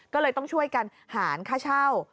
ก็เลยต้องช่วยกันหารค่าเช่า